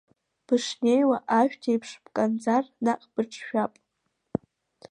Бышнеиуа, ашәҭ еиԥш бканӡар, наҟ быҿшәап.